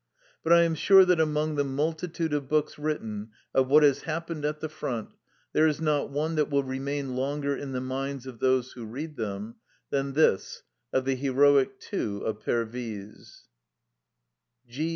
But I am sure that among the multitude of books written of what has hap pened at the front there is not one that will remain longer in the minds of those who read them than this of the heroic Two of Pervyse. G.